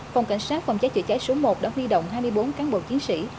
phòng cảnh sát phòng cháy chữa cháy số một đã huy động hai mươi bốn cán bộ chiến sĩ